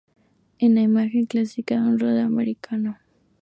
Es la imagen clásica de un rodeo americano.